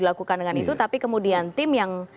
dilakukan dengan itu tapi kemudian tim yang